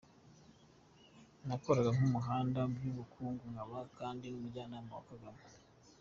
Nakoraga nk’umuhanga muby’ubukungu nkaba kandi nk’umujyanama wa Kagame.